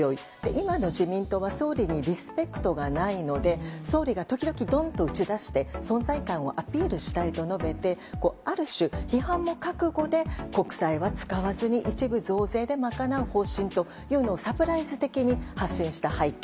今の自民党は総理にリスペクトがないので総理が時々ドンと打ち出して存在感をアピールしたいと述べてある種、批判も覚悟で国債は使わずに一部増税で賄う方針というのをサプライズ的に発信した背景